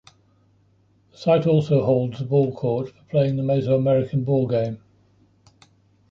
The site also holds a ballcourt for playing the Mesoamerican ballgame.